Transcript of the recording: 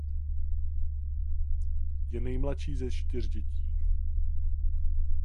Je nejmladší ze čtyř dětí.